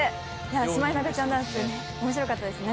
シマエナガちゃんダンス、面白かったですね。